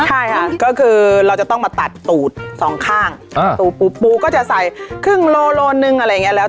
ใช่ค่ะก็คือเราจะต้องมาตัดตูดสองข้างตูดปูดปูก็จะใส่ครึ่งโลโลโลหนึ่งอะไรอย่างเงี้แล้ว